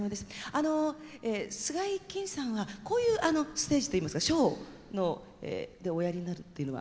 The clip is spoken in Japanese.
あの菅井きんさんはこういうステージといいますかショーでおやりになるっていうのは？